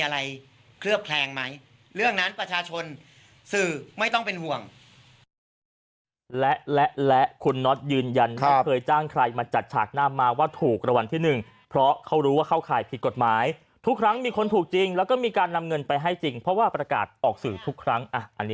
เรื่องนั้นประชาชนสื่อไม่ต้องเป็นห่วง